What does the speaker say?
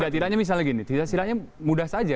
tidak tidaknya mudah saja